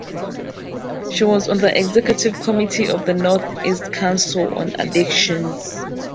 She was on the executive committee of the North East Council on Addictions.